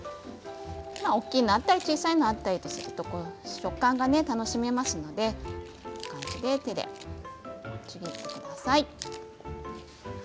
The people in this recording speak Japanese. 大きいのがあったり小さいのがあったり食感が楽しめますのでこんな感じで手でちぎってください。